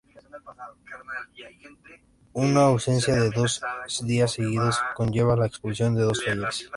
Una ausencia de dos días seguidos conlleva la expulsión de los Talleres.